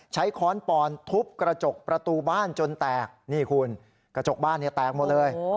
ค้อนปอนทุบกระจกประตูบ้านจนแตกนี่คุณกระจกบ้านเนี่ยแตกหมดเลย